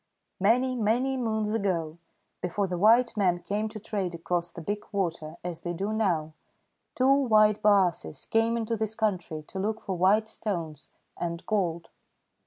"Many, many moons ago, before the white men came to trade across the Big Water as they do now, two white baases came into this country to look for white stones and gold.